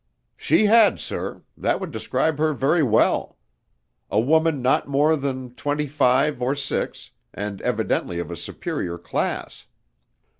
"She had, sir. That would describe her very well. A woman not more than twenty five or six, and evidently of a superior class."